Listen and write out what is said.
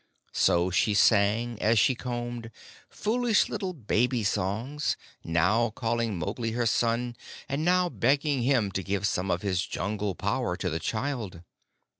So she sang, as she combed, foolish little baby songs, now calling Mowgli her son, and now begging him to give some of his jungle power to the child.